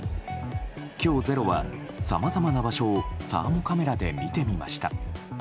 今日、「ｚｅｒｏ」はさまざまな場所をサーモカメラで見てみました。